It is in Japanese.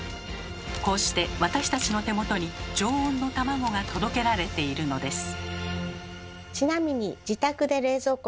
こうして私たちの手元に常温の卵が届けられているのです。